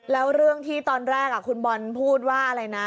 แล้วเรื่องที่ตอนแรกคุณบอลพูดว่าอะไรนะ